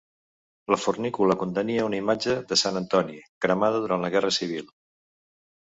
La fornícula contenia una imatge de Sant Antoni, cremada durant la guerra civil.